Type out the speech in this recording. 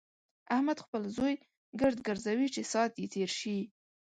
احمد خپل زوی ګرد ګرځوي چې ساعت يې تېر شي.